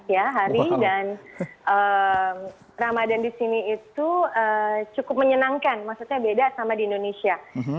ya hari dan ramadan di sini itu cukup menyenangkan maksudnya beda sama di indonesia